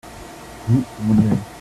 vous, vous lirez.